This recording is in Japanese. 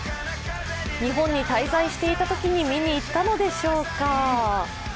日本に滞在したときに見に行ったのでしょうか。